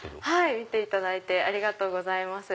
見ていただいてありがとうございます。